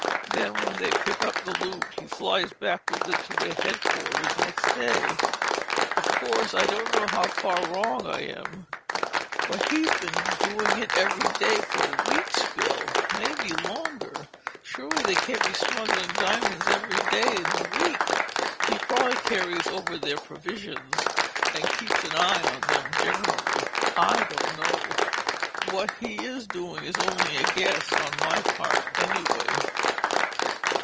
Then when they pick up the loot, he flies back with it to their headquarters next day. Of course, I don't know how far wrong I am—" "But he's been doing it every day for weeks, Bill—maybe longer. Surely they can't be smuggling diamonds every day in the week?" "He probably carries over their provisions and keeps an eye on them generally. I don't know. What he is doing is only a guess, on my part, anyway."